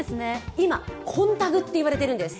今、紺タグって言われているんです。